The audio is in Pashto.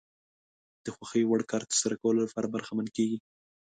د خوښې وړ کار ترسره کولو لپاره برخمن کېږي.